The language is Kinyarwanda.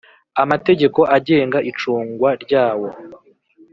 Amategeko agenga icungwa ryawo